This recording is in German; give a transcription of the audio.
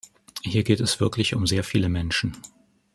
Hier geht es wirklich um sehr viele Menschen.